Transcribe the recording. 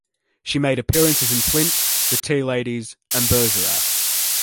She made appearances in "Flint", "The Tea Ladies" and "Bergerac".